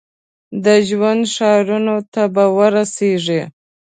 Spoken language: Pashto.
د ژوند ښارونو ته به ورسیږي ؟